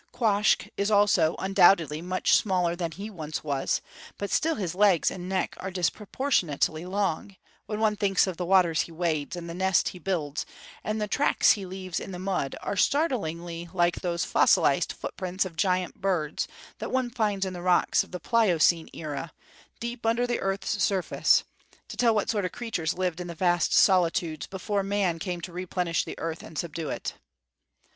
Quoskh is also, undoubtedly, much smaller than he once was; but still his legs and neck are disproportionately long, when one thinks of the waters he wades and the nest he builds; and the tracks he leaves in the mud are startlingly like those fossilized footprints of giant birds that one finds in the rocks of the Pliocene era, deep under the earth's surface, to tell what sort of creatures lived in the vast solitudes before man came to replenish the earth and subdue it.